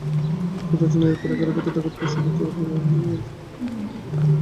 সূত্র জানায়, এরপর একই রাতে ডাকাতেরা পার্শ্ববর্তী জামাল হোসেনের বাড়িতে হানা দেয়।